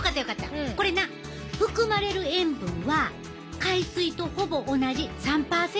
これな含まれる塩分は海水とほぼ同じ３％！